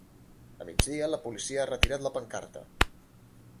A migdia la policia ha retirat la pancarta.